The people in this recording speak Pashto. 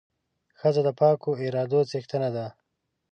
ښځه د پاکو ارادو څښتنه ده.